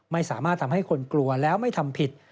ไม่สามารถทำให้คนกลัวแล้วไม่ทำผิด